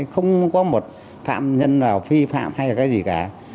không có một phạm nhân nào vi phạm hay là cái gì cả